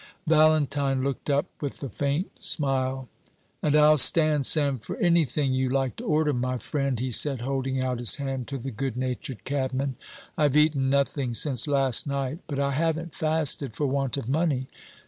Valentine looked up with a faint smile. "And I'll stand sam for anything you like to order, my friend," he said, holding out his hand to the good natured cabman. "I've eaten nothing since last night; but I haven't fasted for want of money.